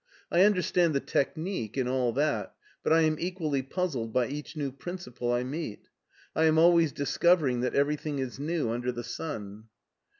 I understand the technique and all that, but I am equally puzzled by each new principle I meet. I am always discovering that everything is new under the sun.